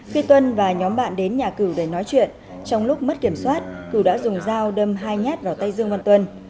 khi tuân và nhóm bạn đến nhà cử để nói chuyện trong lúc mất kiểm soát cửu đã dùng dao đâm hai nhát vào tay dương văn tuân